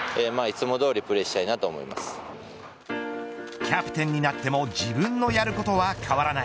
キャプテンになっても自分のやることは変わらない。